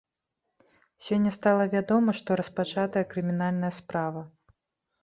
Сёння стала вядома, што распачатая крымінальная справа.